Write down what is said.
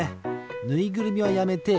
ぬいぐるみはやめて。